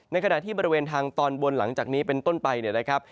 ขณะที่บริเวณทางตอนบนหลังจากนี้เป็นต้นไปเนี่ยนะครับ